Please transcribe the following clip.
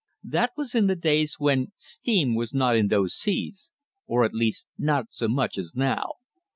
That was in the days when steam was not in those seas or, at least, not so much as now.